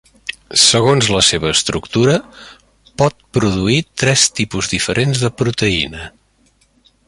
Segons la seva estructura pot produir tres tipus diferents de proteïna.